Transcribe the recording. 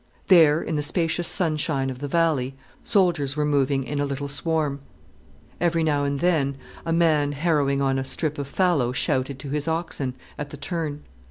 There in the spacious sunshine of the valley soldiers were moving in a little swarm. Every now and then, a man harrowing on a strip of fallow shouted to his oxen, at the turn.